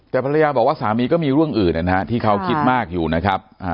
แต่ภรรยาบอกว่าสามีก็มีเรื่องอื่นที่เขาคิดมากอยู่นะครับ